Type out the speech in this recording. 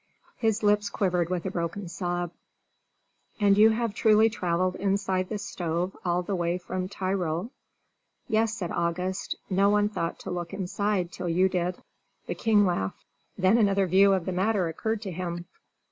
His lips quivered with a broken sob. "And have you truly travelled inside this stove all the way from Tyrol?" "Yes," said August; "no one thought to look inside till you did." The king laughed; then another view of the matter occurred to him.